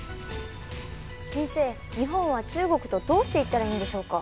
先生日本は中国とどうしていったらいいんでしょうか？